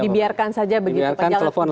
dibiarkan teleponlah perusahaan asuransinya